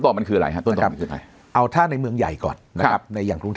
ต้นต่อมันคืออะไรครับ